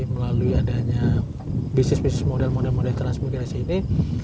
melalui adanya bisnis bisnis modal modal transmobilisasi ini